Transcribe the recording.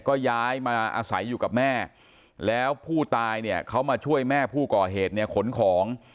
ก็ย้ายมาอาศัยอยู่กับแม่แล้วผู้ตายเนี่ยเขามาช่วยแม่ผู้ก่อเหตุเนี่ยขนของ